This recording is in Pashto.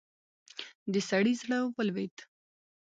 د سړي زړه ولوېد.